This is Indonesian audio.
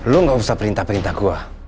lo gak usah perintah perintah gue